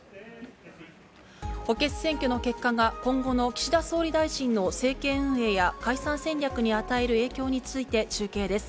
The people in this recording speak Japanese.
補欠選挙の結果が、今後の岸田総理大臣の政権運営や解散戦略に与える影響について、中継です。